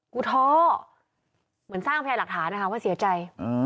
กูทอเหมือนสร้างแผลหลักฐานนะคะว่าเสียใจ